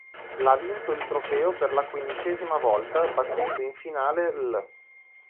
L' ha vinto il trofeo per la quindicesima volta, battendo in finale l'.